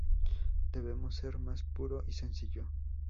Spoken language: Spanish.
Debemos ser más puro y sencillo.